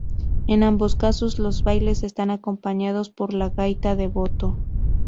En ambos casos los bailes están acompañados por la gaita de boto.